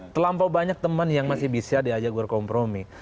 terlampau banyak teman yang masih bisa diajak berkompromi